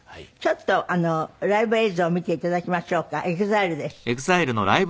ちょっとライブ映像を見ていただきましょうか。